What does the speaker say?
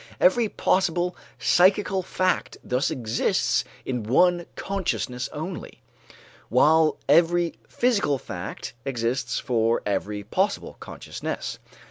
Every possible psychical fact thus exists in one consciousness only, while every physical fact exists for every possible consciousness.